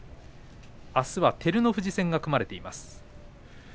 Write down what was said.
あすは照ノ富士戦が組まれています。